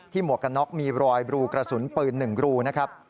หมวกกันน็อกมีรอยบรูกระสุนปืน๑รูนะครับ